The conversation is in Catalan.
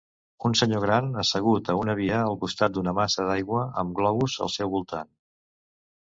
Un senyor gran assegut a una via al costat d'una massa d'aigua amb globus al seu voltant.